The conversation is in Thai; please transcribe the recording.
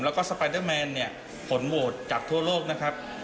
แล้วก็สไปเดอร์แมนเนี่ยผลโหวตจากทั่วโลกนะครับ